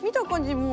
もう。